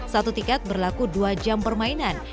satu tiket berlaku dua jam permainan